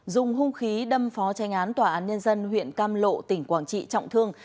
dùng hung khí đâm phó tranh án tòa án nhân dân huyện cam lộ tỉnh quảng trị trọng thương